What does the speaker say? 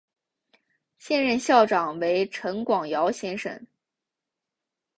现任校长为陈广尧先生。